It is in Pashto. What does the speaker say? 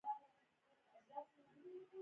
چې کورونه به يې د دوى تر کورونو يو څه امن وو.